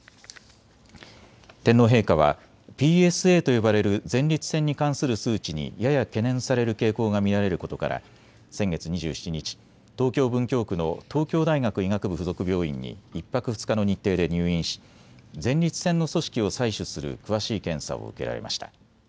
天皇陛下はＰＳＡと呼ばれる前立腺に関する数値にやや懸念される傾向が見られることから先月２７日、東京文京区の東京大学医学部附属病院に１泊２日の日程で入院し前立腺の組織を採取する詳しい検査を受けられました。